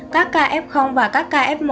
các kf và các kf một